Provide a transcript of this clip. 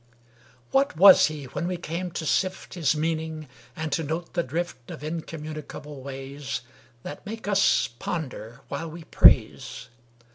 What was he, when we came to sift His meaning, and to note the drift Of incommunicable ways That make us ponder while we praise?